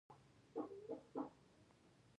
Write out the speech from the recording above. ښکلا په سترګو کښې وي